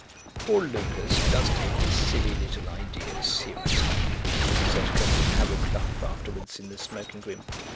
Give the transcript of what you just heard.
"Poor Lucas does take his silly little ideas seriously," said Colonel Harrowcluff afterwards in the smoking room.